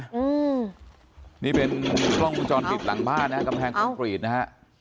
อืมนี่เป็นกล้องโจรผิดหลังบ้านนะครับคำแพงกลบกรีถนะฮะ